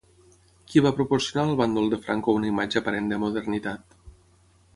Qui va proporcionar al bàndol de Franco una imatge aparent de modernitat?